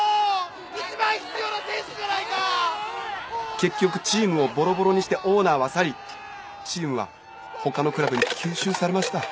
結局チームをぼろぼろにしてオーナーは去りチームは他のクラブに吸収されました。